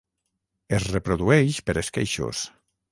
Es reprodueix per esqueixos.